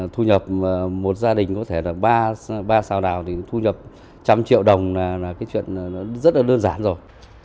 thu nhập một gia đình có thể là ba sao đào thì thu nhập một trăm linh triệu đồng là cái chuyện rất là đơn giản rồi